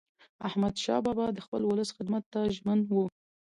احمدشاه بابا د خپل ولس خدمت ته ژمن و.